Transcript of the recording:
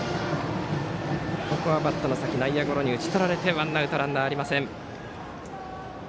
ここは内野ゴロに打ち取られてワンアウトランナーありません。